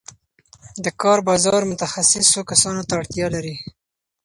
د کار بازار متخصصو کسانو ته اړتیا لري.